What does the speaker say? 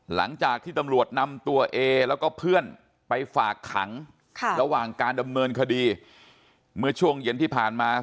หลังจากที่ตำรวจนำตัวเอแล้วก็เพื่อนไปฝากขังระหว่างการดำเนินคดีเมื่อช่วงเย็นที่ผ่านมา